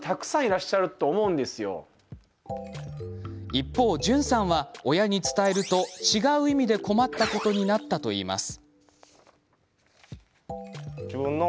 一方、じゅんさんは親に伝えると違う意味で困ったことになったといいます。